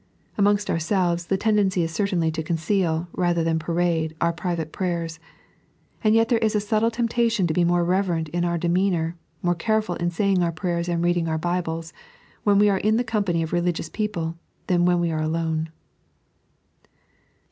Amongst ourselves the tendency is certainly to conceal, rather than parade, our [nivate prayers ; nod yet there is a subtle temptation to he more reverent in our demeanour, more careful in saying our prayers and reading our Bibles, when we are in the company of religious people, than when we are alone.